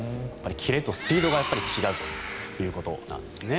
キレとスピードがやっぱり違うということなんですね。